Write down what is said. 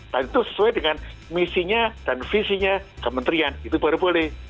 dan itu sesuai dengan misinya dan visinya kementerian itu baru boleh